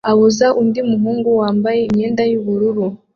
abuza undi muhungu wambaye imyenda yubururu